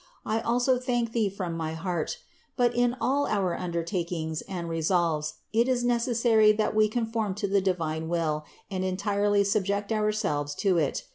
I also thank thee from my heart; but in all our undertakings and resolves it is necessary that we conform to the divine will and entirely subject ourselves to it.